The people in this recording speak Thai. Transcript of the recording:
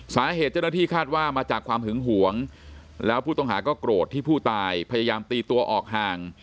สาเหตุเจ้าหน้าที่คาดว่ามาจากความหึงหวงแล้วผู้ต้องหาก็โกรธที่ผู้ตายพยายามตีตัวออกห่าง